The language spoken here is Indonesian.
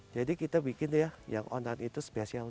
jadi kita bikin ya yang onan itu spesial